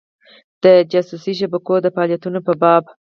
د جاسوسي شبکو د فعالیتونو په باب.